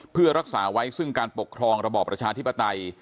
เพื่อรักษาไว้ซึ่งการปกครองระบอบประชาธิปไตย